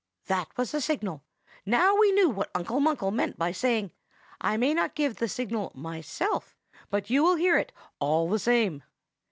That was the signal. Now we knew what Uncle Munkle meant by saying, 'I may not give the signal myself, but you will hear it all the same.